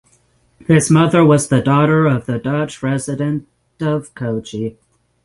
His mother was the daughter of the Dutch resident of Kochi.